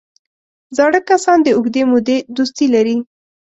زاړه کسان د اوږدې مودې دوستي لري